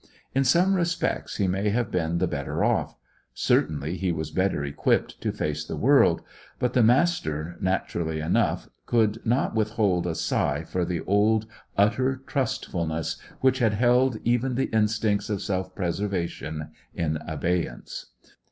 In some respects he may have been the better off; certainly he was better equipped to face the world; but the Master, naturally enough, could not withhold a sigh for the old utter trustfulness which had held even the instincts of self preservation in abeyance.